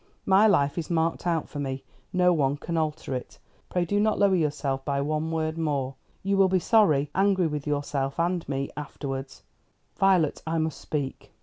My life is marked out for me. No one can alter it. Pray do not lower yourself by one word more. You will be sorry angry with yourself and me afterwards." "Violet, I must speak."